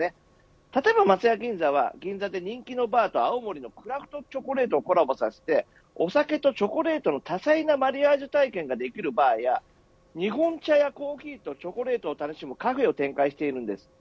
例えば松屋銀座は銀座で人気のバーと青森のクラフトチョコレートをコラボさせてお酒とチョコの多彩なマリアージュ体験ができるバーや日本茶やコーヒーとチョコレートを楽しむカフェを展開しています。